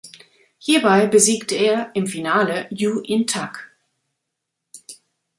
Hierbei besiegte er im Finale You In-tak.